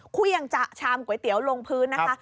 เครื่องจะชามก๋วยเตี๋ยวลงพื้นนะคะ